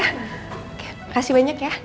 terima kasih banyak ya